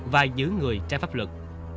và giữ người trái pháp luật